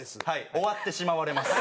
終わってしまわれます。